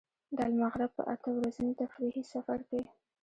د المغرب په اته ورځني تفریحي سفر کې.